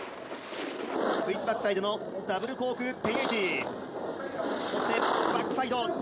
スイッチバックサイドのダブルコーク１０８０。